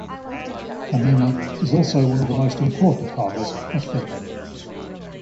Hamina is also one of the most important harbors of Finland.